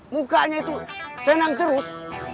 mukanya itu senang terus